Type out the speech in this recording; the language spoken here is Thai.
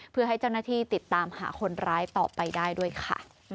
เพื่อให้เจ้าหน้าที่ติดตามหาคนร้ายต่อไปได้ด้วยค่ะ